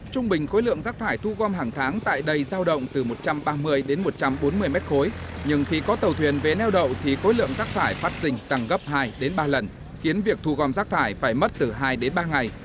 trung bình khối lượng rác thải thu gom hàng tháng tại đây giao động từ một trăm ba mươi đến một trăm bốn mươi mét khối nhưng khi có tàu thuyền vế neo đậu thì khối lượng rác thải phát sinh tăng gấp hai đến ba lần khiến việc thu gom rác thải phải mất từ hai đến ba ngày